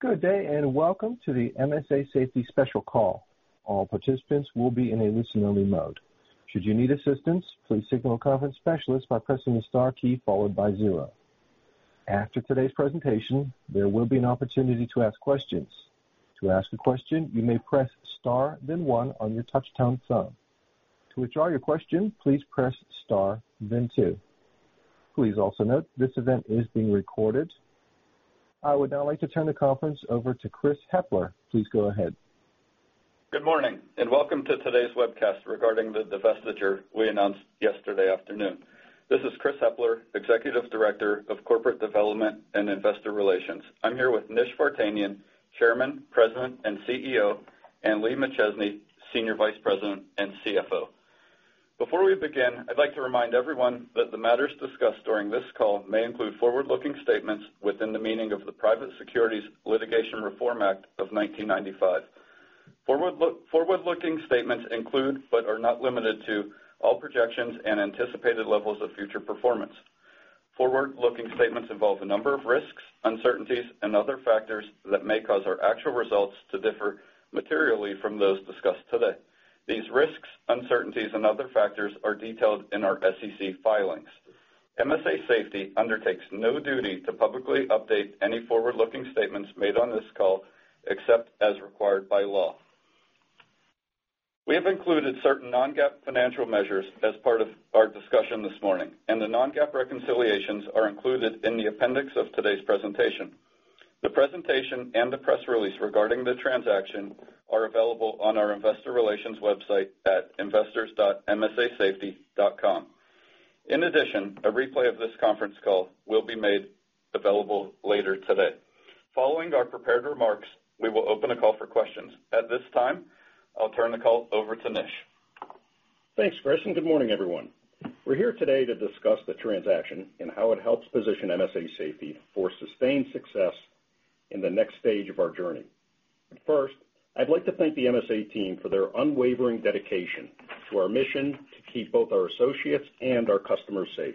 Good day, and welcome to the MSA Safety special call. All participants will be in a listen-only mode. Should you need assistance, please signal a conference specialist by pressing the star key followed by zero. After today's presentation, there will be an opportunity to ask questions. To ask a question, you may press star then one on your touchtone phone. To withdraw your question, please press star then two. Please also note this event is being recorded. I would now like to turn the conference over to Chris Hepler. Please go ahead. Good morning, and welcome to today's webcast regarding the divestiture we announced yesterday afternoon. This is Chris Hepler, Executive Director of Corporate Development and Investor Relations. I'm here with Nish Vartanian, Chairman, President, and CEO, and Lee McChesney, Senior Vice President and CFO. Before we begin, I'd like to remind everyone that the matters discussed during this call may include forward-looking statements within the meaning of the Private Securities Litigation Reform Act of 1995. Forward-looking statements include, but are not limited to all projections and anticipated levels of future performance. Forward-looking statements involve a number of risks, uncertainties, and other factors that may cause our actual results to differ materially from those discussed today. These risks, uncertainties, and other factors are detailed in our SEC filings. MSA Safety undertakes no duty to publicly update any forward-looking statements made on this call except as required by law. We have included certain non-GAAP financial measures as part of our discussion this morning. The non-GAAP reconciliations are included in the appendix of today's presentation. The presentation and the press release regarding the transaction are available on our investor relations website at investors.msasafety.com. A replay of this conference call will be made available later today. Following our prepared remarks, we will open a call for questions. At this time, I'll turn the call over to Nish. Thanks, Chris, good morning, everyone. We're here today to discuss the transaction and how it helps position MSA Safety for sustained success in the next stage of our journey. First, I'd like to thank the MSA team for their unwavering dedication to our mission to keep both our associates and our customers safe.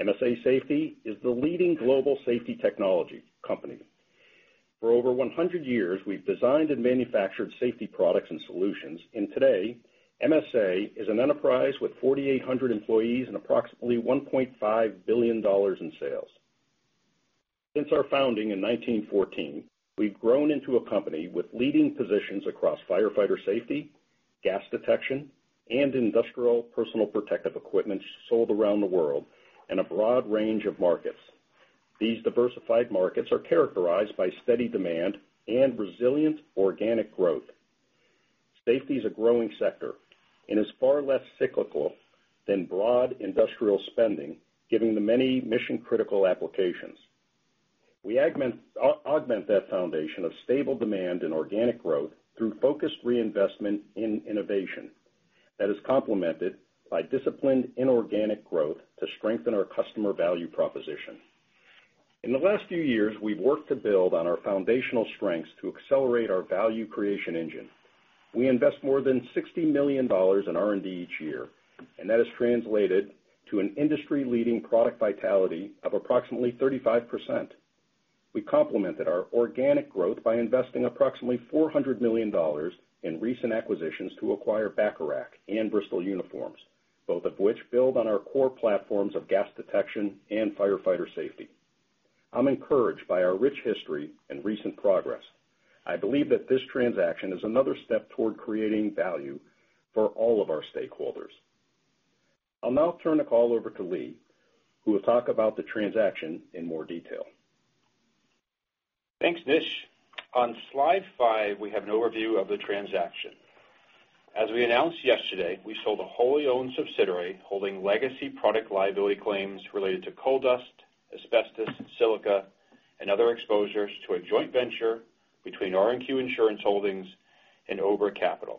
MSA Safety is the leading global safety technology company. For over 100 years, we've designed and manufactured safety products and solutions. Today, MSA is an enterprise with 4,800 employees and approximately $1.5 billion in sales. Since our founding in 1914, we've grown into a company with leading positions across firefighter safety, gas detection, and industrial personal protective equipment sold around the world in a broad range of markets. These diversified markets are characterized by steady demand and resilient organic growth. Safety is a growing sector and is far less cyclical than broad industrial spending, given the many mission-critical applications. We augment that foundation of stable demand and organic growth through focused reinvestment in innovation that is complemented by disciplined inorganic growth to strengthen our customer value proposition. In the last few years, we've worked to build on our foundational strengths to accelerate our value creation engine. We invest more than $60 million in R&D each year, and that has translated to an industry-leading product vitality of approximately 35%. We complemented our organic growth by investing approximately $400 million in recent acquisitions to acquire Bacharach and Bristol Uniforms, both of which build on our core platforms of gas detection and firefighter safety. I'm encouraged by our rich history and recent progress. I believe that this transaction is another step toward creating value for all of our stakeholders. I'll now turn the call over to Lee, who will talk about the transaction in more detail. Thanks, Nish. On slide 5, we have an overview of the transaction. As we announced yesterday, we sold a wholly owned subsidiary holding legacy product liability claims related to coal dust, asbestos, silica, and other exposures to a joint venture between R&Q Insurance Holdings and Obra Capital.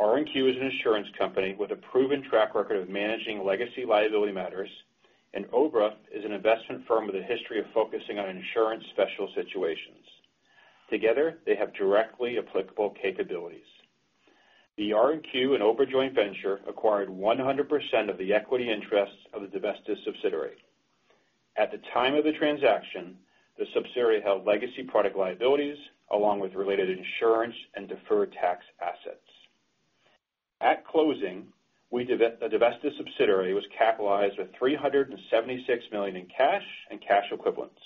R&Q is an insurance company with a proven track record of managing legacy liability matters. Obra is an investment firm with a history of focusing on insurance special situations. Together, they have directly applicable capabilities. The R&Q and Obra joint venture acquired 100% of the equity interest of the divested subsidiary. At the time of the transaction, the subsidiary held legacy product liabilities along with related insurance and deferred tax assets. At closing, the divested subsidiary was capitalized with $376 million in cash and cash equivalents.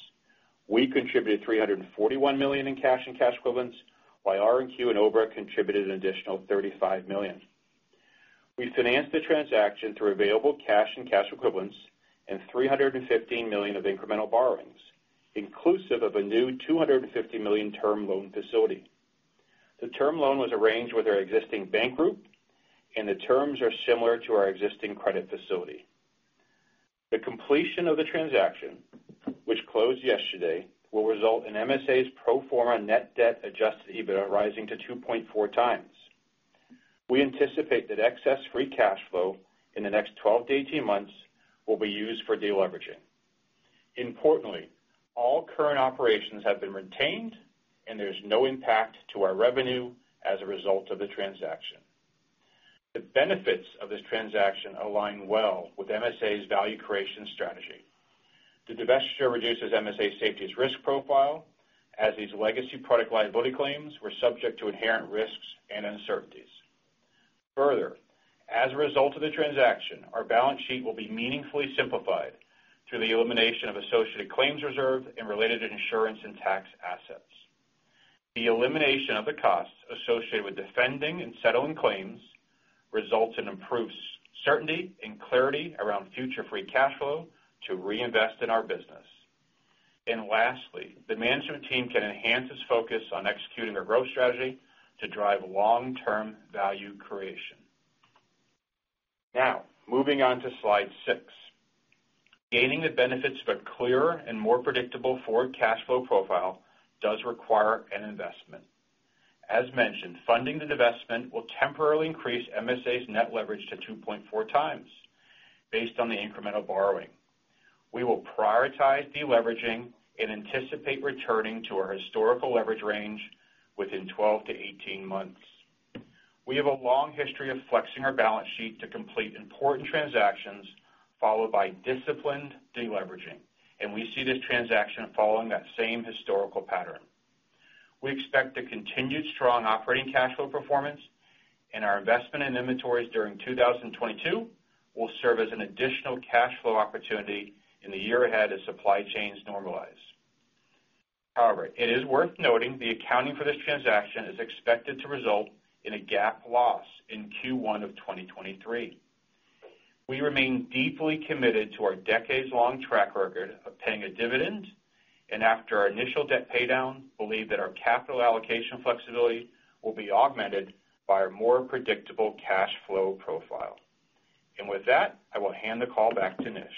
We contributed $341 million in cash and cash equivalents, while R&Q and Obra contributed an additional $35 million. We financed the transaction through available cash and cash equivalents and $315 million of incremental borrowings, inclusive of a new $250 million term loan facility. The term loan was arranged with our existing bank group, and the terms are similar to our existing credit facility. The completion of the transaction, which closed yesterday, will result in MSA's pro forma net debt adjusted EBITDA rising to 2.4x. We anticipate that excess free cash flow in the next 12 months to 18 months will be used for deleveraging. Importantly, all current operations have been retained, and there's no impact to our revenue as a result of the transaction. The benefits of this transaction align well with MSA's value creation strategy. The divestiture reduces MSA Safety's risk profile as these legacy product liability claims were subject to inherent risks and uncertainties. Further, as a result of the transaction, our balance sheet will be meaningfully simplified through the elimination of associated claims reserve and related insurance and tax assets. The elimination of the costs associated with defending and settling claims results in improved certainty and clarity around future free cash flow to reinvest in our business. Lastly, the management team can enhance its focus on executing our growth strategy to drive long-term value creation. Moving on to slide 6. Gaining the benefits of a clearer and more predictable forward cash flow profile does require an investment. As mentioned, funding the divestment will temporarily increase MSA's net leverage to 2.4x based on the incremental borrowing. We will prioritize deleveraging and anticipate returning to our historical leverage range within 12 months - 18 months. We have a long history of flexing our balance sheet to complete important transactions, followed by disciplined deleveraging, and we see this transaction following that same historical pattern. We expect the continued strong operating cash flow performance and our investment in inventories during 2022 will serve as an additional cash flow opportunity in the year ahead as supply chains normalize. However, it is worth noting the accounting for this transaction is expected to result in a GAAP loss in Q1 of 2023. We remain deeply committed to our decades-long track record of paying a dividend and after our initial debt paydown, believe that our capital allocation flexibility will be augmented by our more predictable cash flow profile. With that, I will hand the call back to Nish.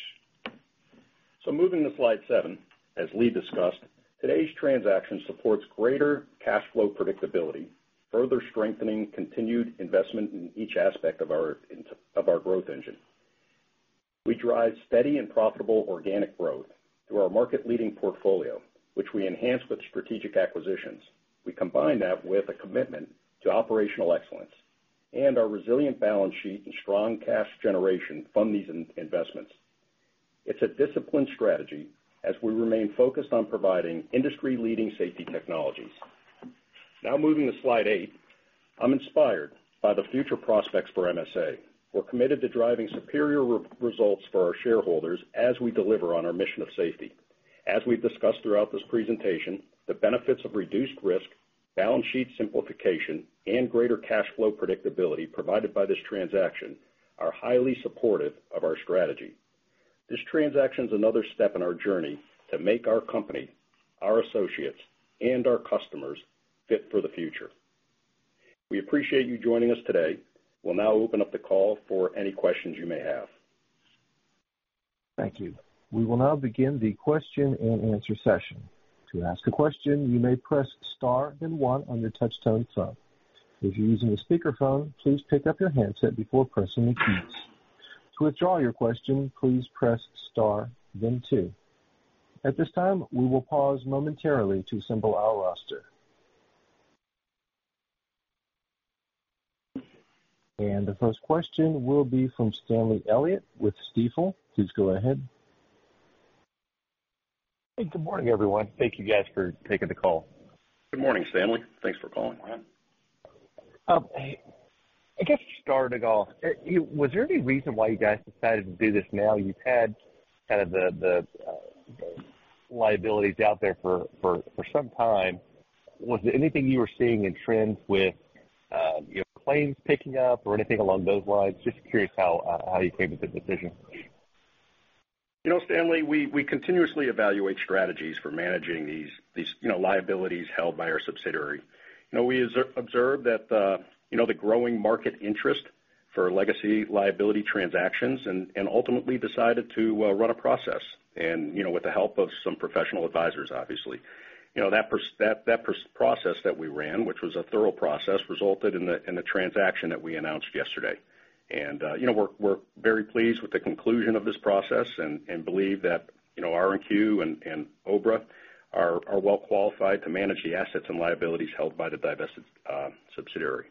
Moving to slide 7. As Lee discussed, today's transaction supports greater cash flow predictability, further strengthening continued investment in each aspect of our of our growth engine. We drive steady and profitable organic growth through our market leading portfolio, which we enhance with strategic acquisitions. We combine that with a commitment to operational excellence and our resilient balance sheet and strong cash generation fund these investments. It's a disciplined strategy as we remain focused on providing industry leading safety technologies. Moving to slide 8. I'm inspired by the future prospects for MSA. We're committed to driving superior results for our shareholders as we deliver on our mission of safety. As we've discussed throughout this presentation, the benefits of reduced risk, balance sheet simplification, and greater cash flow predictability provided by this transaction are highly supportive of our strategy. This transaction is another step in our journey to make our company, our associates, and our customers fit for the future. We appreciate you joining us today. We'll now open up the call for any questions you may have. Thank you. We will now begin the question and answer session. To ask a question, you may press star then one on your touch tone phone. If you're using a speaker phone, please pick up your handset before pressing the keys. To withdraw your question, please press star then two. At this time, we will pause momentarily to assemble our roster. The first question will be from Stanley Elliott with Stifel. Please go ahead. Hey, good morning, everyone. Thank you guys for taking the call. Good morning, Stanley. Thanks for calling. I guess just to start it off, was there any reason why you guys decided to do this now? You've had kind of the liabilities out there for some time. Was there anything you were seeing in trends with, you know, claims picking up or anything along those lines? Just curious how you came to the decision. You know, Stanley, we continuously evaluate strategies for managing these, you know, liabilities held by our subsidiary. You know, we observe that the, you know, the growing market interest for legacy liability transactions and ultimately decided to run a process and, you know, with the help of some professional advisors, obviously. You know, that process that we ran, which was a thorough process, resulted in the transaction that we announced yesterday. We're very pleased with the conclusion of this process and believe that, you know, R&Q and Obra are well qualified to manage the assets and liabilities held by the divested subsidiary.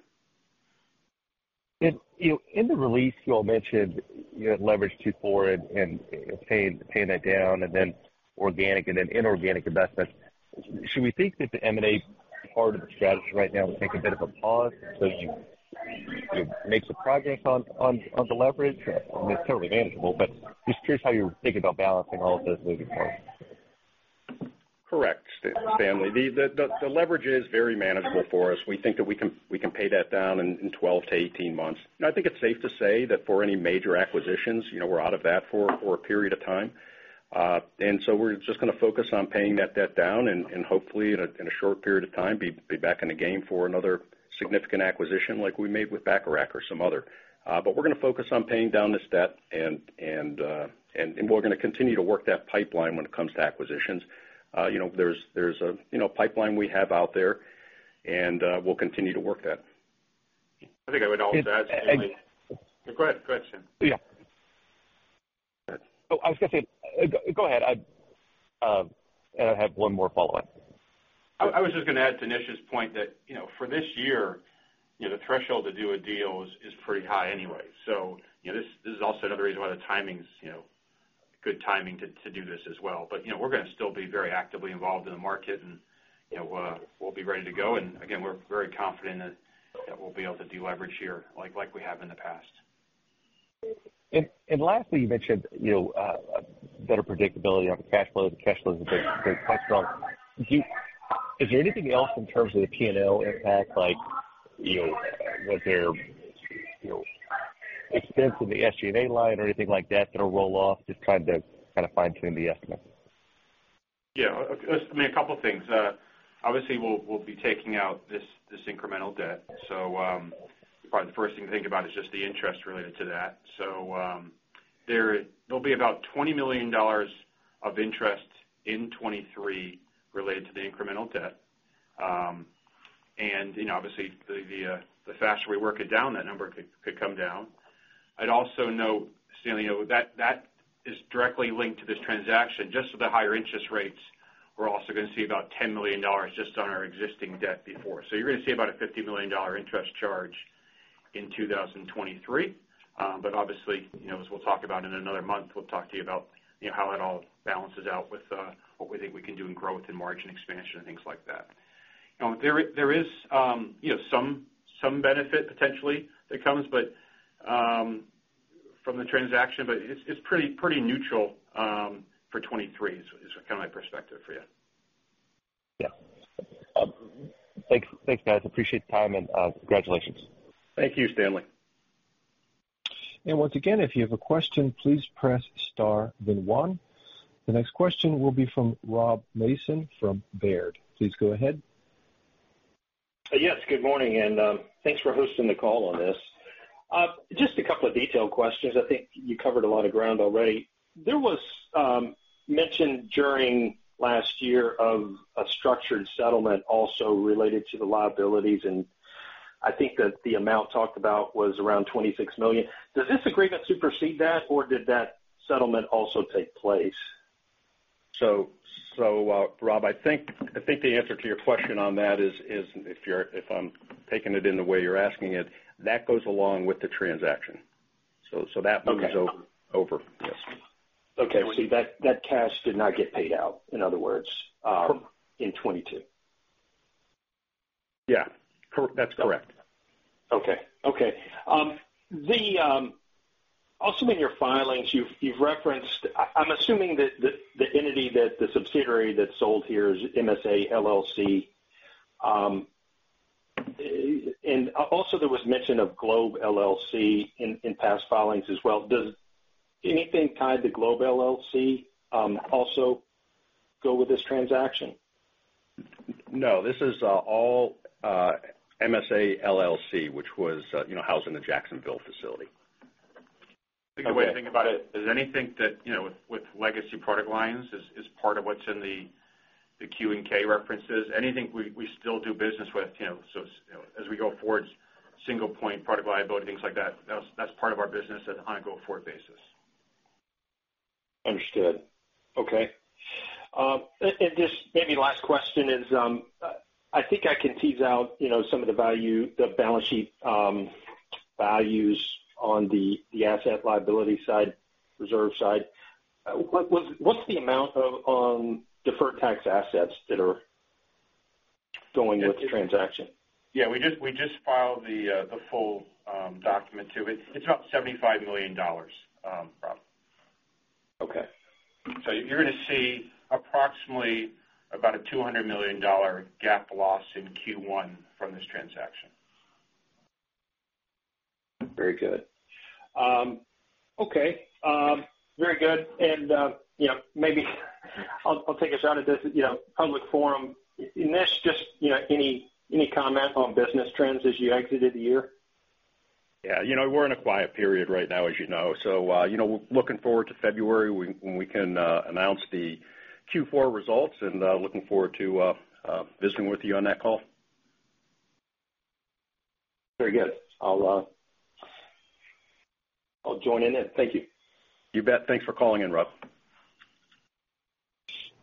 You know, in the release, you all mentioned, you know, leverage 2.4 and paying that down and then organic and then inorganic investments. Should we think that the M&A part of the strategy right now will take a bit of a pause as you make some progress on the leverage? It's totally manageable, but just curious how you're thinking about balancing all of those moving parts. Correct, Stanley. The leverage is very manageable for us. We think that we can pay that down in 12 months to 18 months. I think it's safe to say that for any major acquisitions, you know, we're out of that for a period of time. We're just gonna focus on paying that debt down and hopefully in a short period of time, be back in the game for another significant acquisition like we made with Bacharach or some other. We're gonna focus on paying down this debt and we're gonna continue to work that pipeline when it comes to acquisitions. You know, there's a, you know, pipeline we have out there, and we'll continue to work that. I think I would also add, Stanley. Go ahead, Stan. Yeah. Oh, I was gonna say, go ahead. I have one more follow-up. I was just gonna add to Nish's point that, you know, for this year, you know, the threshold to do a deal is pretty high anyway. You know, this is also another reason why the timing's, you know, good timing to do this as well. You know, we're gonna still be very actively involved in the market and, you know, we'll be ready to go. Again, we're very confident that we'll be able to deleverage here like we have in the past. Lastly, you mentioned, you know, better predictability on the cash flow. The cash flow is a big question on. Is there anything else in terms of the P&L impact, like, you know, was there, you know, expense in the SG&A line or anything like that going to roll off, just trying to kind of fine-tune the estimate? I mean, a couple of things. Obviously we'll be taking out this incremental debt. Probably the first thing to think about is just the interest related to that. There'll be about $20 million of interest in 2023 related to the incremental debt. You know, obviously the faster we work it down, that number could come down. I'd also note, Stanley, you know, that is directly linked to this transaction. Just with the higher interest rates, we're also gonna see about $10 million just on our existing debt before. You're gonna see about a $50 million interest charge in 2023. Obviously, you know, as we'll talk about in another month, we'll talk to you about, you know, how it all balances out with what we think we can do in growth and margin expansion and things like that. You know, there is, you know, some benefit potentially that comes, but from the transaction, but it's pretty neutral for 2023 is kind of my perspective for you. Thanks, guys. Appreciate the time and, congratulations. Thank you, Stanley. Once again, if you have a question, please press star then one. The next question will be from Rob Mason from Baird. Please go ahead. Yes, good morning, thanks for hosting the call on this. Just a couple of detailed questions. I think you covered a lot of ground already. There was mention during last year of a structured settlement also related to the liabilities, and I think that the amount talked about was around $26 million. Does this agreement supersede that, or did that settlement also take place? Rob, I think the answer to your question on that is if I'm taking it in the way you're asking it, that goes along with the transaction. So that one- Okay.... Is over. Yes. That cash did not get paid out, in other words, in 2022. Yeah. That's correct. Okay. Okay. The, also in your filings, you've referenced. I'm assuming that the entity that the subsidiary that sold here is MSA LLC. And also there was mention of Globe LLC in past filings as well. Does anything tied to Globe LLC also go with this transaction? No, this is, all, MSA LLC, which was, you know, housed in the Jacksonville facility. Okay. I think the way to think about it is anything that, you know, with legacy product lines is part of what's in the Q and K references. Anything we still do business with, you know, so as, you know, as we go forward, single point product liability, things like that's part of our business on a go forward basis. Understood. Okay. Just maybe last question is, I think I can tease out, you know, some of the value, the balance sheet, values on the asset liability side, reserve side. What was, what's the amount of, deferred tax assets that are going with the transaction? Yeah. We just filed the full, document to it. It's about $75 million, Rob. Okay. You're gonna see approximately about a $200 million GAAP loss in Q1 from this transaction. Very good. Okay. Very good. You know, maybe I'll take a shot at this, you know, public forum. Nish, just, you know, any comment on business trends as you exited the year? Yeah. You know, we're in a quiet period right now, as you know. You know, we're looking forward to February when we can announce the Q4 results and looking forward to visiting with you on that call. Very good. I'll join in then. Thank you. You bet. Thanks for calling in, Rob.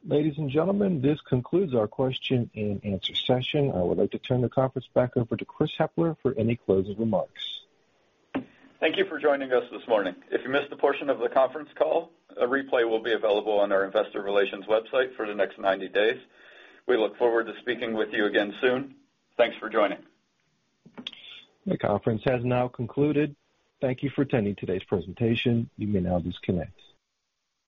Ladies and gentlemen, this concludes our question and answer session. I would like to turn the conference back over to Chris Hepler for any closing remarks. Thank you for joining us this morning. If you missed a portion of the conference call, a replay will be available on our investor relations website for the next 90 days. We look forward to speaking with you again soon. Thanks for joining. The conference has now concluded. Thank you for attending today's presentation. You may now disconnect.